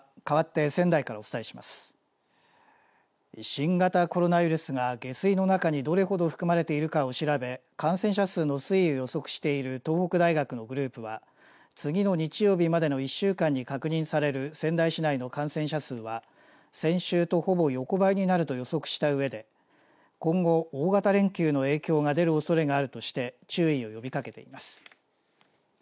新型コロナウイルスが下水の中にどれほど含まれているかを調べ感染者数の推移を予測している東北大学のグループは次の日曜日までの１週間に確認される仙台市内の感染者数は先週とほぼ横ばいになると予測したうえで今後、大型連休の影響が出るおそれがあるとして注意を呼びかけています。